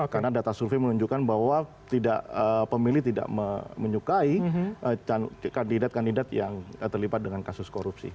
karena data survei menunjukkan bahwa pemilih tidak menyukai kandidat kandidat yang terlibat dengan kasus korupsi